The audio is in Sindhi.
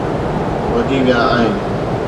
وڌي ويا آهن